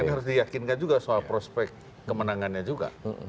harus diyakinkan juga soal prospek kemenangannya juga